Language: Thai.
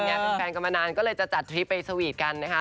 เป็นแฟนกันมานานก็เลยจะจัดทริปไปสวีทกันนะคะ